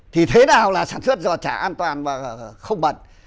thì thế nào là sản xuất giò trà an toàn và không bẩn